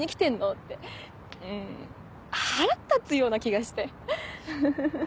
ってん腹立つような気がしてハハハ。